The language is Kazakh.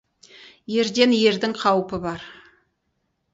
Ерден ердің қаупі бар.